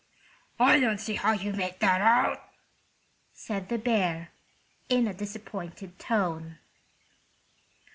"I don't see how you make that out," said the bear, in a disappointed tone.